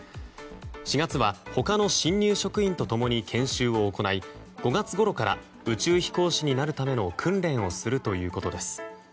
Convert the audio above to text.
４月は、他の新入職員とともに研修を行い５月ごろから宇宙飛行士になるための訓練をするということです。